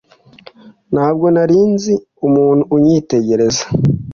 Ntabwo nari nzi umuntu unyitegereza.